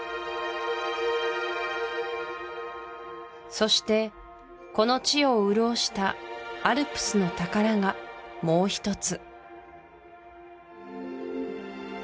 そしてこの地を潤したアルプスの宝がもう一つ